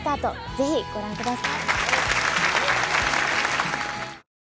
ぜひご覧ください